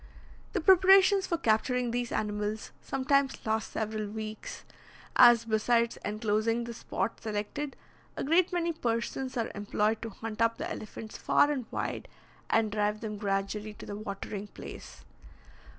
The preparations for capturing these animals sometimes last several weeks, as, besides enclosing the spot selected, a great many persons are employed to hunt up the elephants far and wide, and drive them gradually to the watering place.